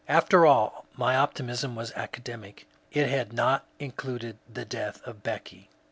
After all, my optimism was academic ; it had not included the death of Becky.